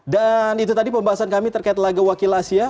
dan itu tadi pembahasan kami terkait lagu wakil asia